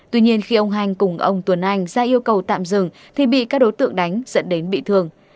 tuy nhiên khi ông hanh cùng ông tuấn anh ra yêu cầu tạm dừng thì bị các đối tượng đánh dẫn đến bị thương